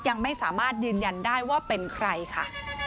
ยังไม่สามารถยืนยันได้ว่าเป็นใครค่ะ